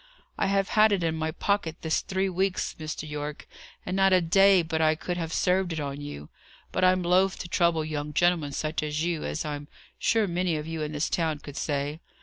"I have had it in my pocket this three weeks, Mr. Yorke, and not a day but I could have served it on you: but I'm loth to trouble young gentlemen such as you, as I'm sure many of you in this town could say.